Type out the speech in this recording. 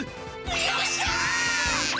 よっしゃ！